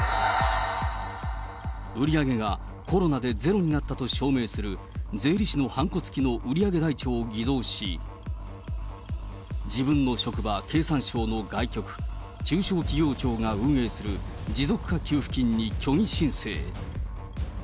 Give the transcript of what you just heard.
売り上げがコロナでゼロになったと証明する、税理士のはんこつきの売り上げ台帳を偽造し、自分の職場、経産省の外局、中小企業庁が運営する持続化給付金に虚偽申請。